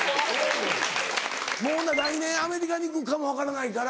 もうな来年アメリカに行くかも分からないから。